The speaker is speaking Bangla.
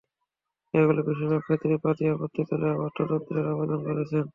এগুলোর বেশির ভাগ ক্ষেত্রেই বাদী আপত্তি তুলে আবার তদন্তের আবেদন করেছেন।